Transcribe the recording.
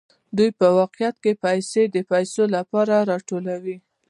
دوی په واقعیت کې پیسې د پیسو لپاره راټولوي